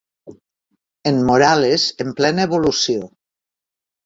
En Morales en plena evolució.